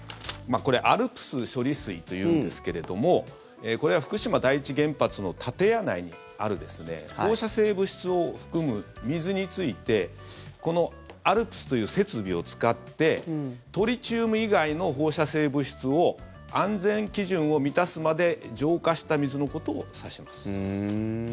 これＡＬＰＳ処理水というんですけどこれは福島第一原発の建屋内にある放射性物質を含む水についてこのＡＬＰＳという設備を使ってトリチウム以外の放射性物質を安全基準を満たすまで浄化した水のことを指します。